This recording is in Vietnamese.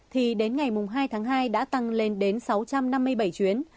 thì đến ngày hai tháng hai đã tăng lên đến sáu trăm năm mươi bảy chuyến